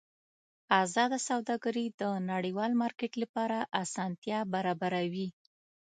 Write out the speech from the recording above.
ازاده سوداګري د نړیوال مارکېټ لپاره اسانتیا برابروي.